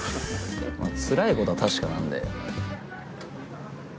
つらいことは確かなんで。